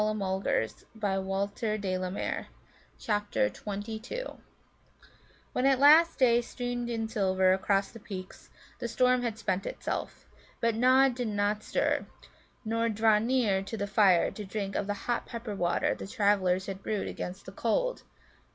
CHAPTER XXII When at last day streamed in silver across the peaks, the storm had spent itself. But Nod did not stir, nor draw near to the fire to drink of the hot pepper water the travellers had brewed against the cold.